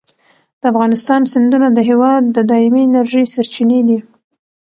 د افغانستان سیندونه د هېواد د دایمي انرژۍ سرچینې دي.